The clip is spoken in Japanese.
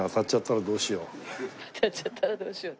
「当たっちゃったらどうしよう」。